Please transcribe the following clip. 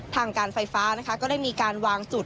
ทางการไฟฟ้านะคะก็ได้มีการวางจุด